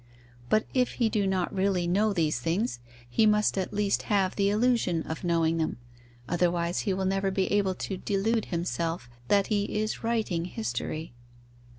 But if he do not really know these things, he must at least have the illusion of knowing them; otherwise he will never be able to delude himself that he is writing history.